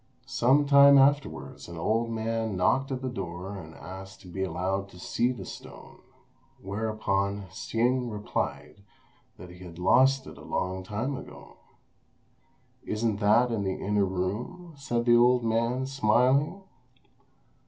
Some time afterwards an old man knocked at the door and asked to be allowed to see the stone; whereupon Hsing replied that he had lost it a long time ago. "Isn't that it in the inner room?" said the old man, smiling.